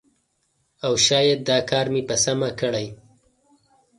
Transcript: او شاید دا کار مې په سمه کړی